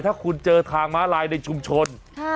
ถ้าคุณเจอทางม้าลายในชุมชน